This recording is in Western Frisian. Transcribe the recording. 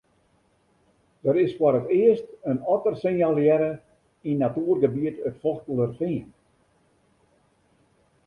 Der is foar it earst in otter sinjalearre yn natuergebiet it Fochtelerfean.